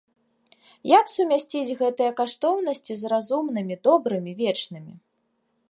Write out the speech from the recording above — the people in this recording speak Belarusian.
Як сумясціць гэтыя каштоўнасці з разумнымі, добрымі, вечнымі?